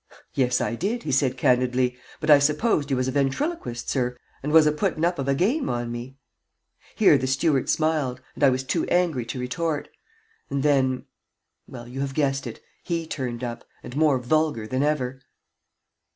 "Yes, I did," he said, candidly; "but I supposed you was a ventriloquist, sir, and was a puttin' up of a game on me." Here the steward smiled, and I was too angry to retort. And then Well, you have guessed it. He turned up and more vulgar than ever.